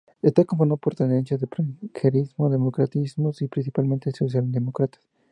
Está conformado por tendencias de progresismo, democristianos y principalmente socialdemócratas.